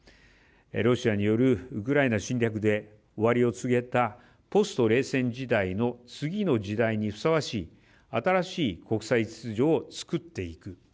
ロシアによるウクライナ侵略で終わりを告げたポスト冷戦時代の次の時代にふさわしい新しい国際秩序を作っていく。